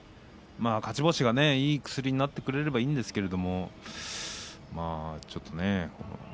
勝ち星がいい薬になってくれればいいんですが。